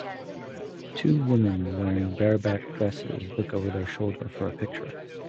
Two women wearing bareback dresses look over their shoulder for a picture.